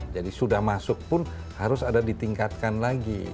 jadi sudah masuk pun harus ada ditingkatkan lagi